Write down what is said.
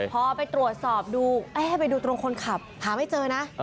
พอไปตรวจสอบดูเอ๊ะไปดูตรงคนขับหาไม่เจอนะ